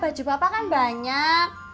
baju papa kan banyak